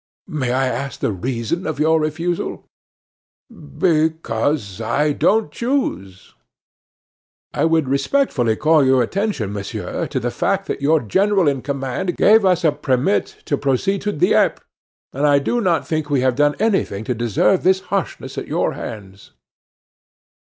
"May I ask the reason of your refusal?" "Because I don't choose." "I would respectfully call your attention, monsieur, to the fact that your general in command gave us a permit to proceed to Dieppe; and I do not think we have done anything to deserve this harshness at your hands."